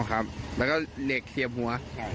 อ๋อครับแล้วก็เหล็กเตียบหัว